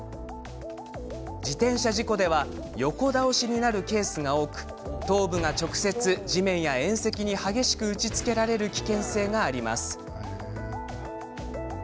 自転車事故では横倒しになるケースが多く頭部が直接、地面や縁石に激しく打ちつけられる危険性があります。